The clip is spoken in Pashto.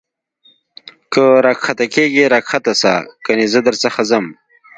که را کښته کېږې را کښته سه کنې زه در څخه ځم.